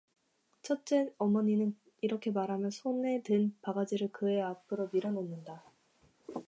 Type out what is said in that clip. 첫째 어머니는 이렇게 말하며 손에 든 바가지를 그의 앞으로 밀어놓는다.